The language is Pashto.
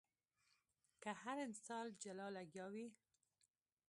که هر انسان جلا لګيا وي.